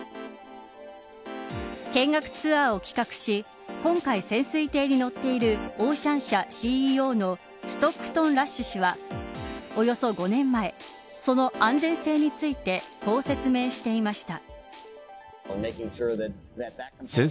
見学ツアーを企画し今回、潜水艇に乗っているオーシャン社ＣＥＯのストックトン・ラッシュ氏はおよそ５年前その安全性についてこう説明していました。